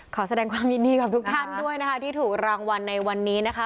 ขอแสดงความยินดีกับทุกท่านด้วยนะคะที่ถูกรางวัลในวันนี้นะคะ